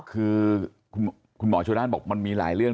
คือคุณหมอชนนั่นบอกมันมีหลายเรื่อง